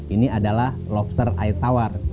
ini adalah lobster air tawar